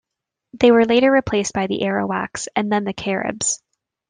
They were later replaced by the Arawaks and then the Caribs.